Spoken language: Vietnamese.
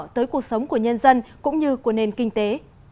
tới cuộc sống của nhân dân cũng như của nền kinh tế